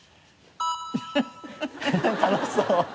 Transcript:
楽しそう！